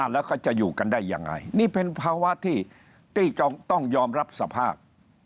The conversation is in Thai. แล้วก็จะอยู่กันได้ยังไงนี่เป็นภาวะที่ต้องยอมรับสภาพ